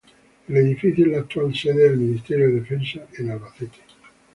El edificio es la actual sede del Ministerio de Defensa en Albacete.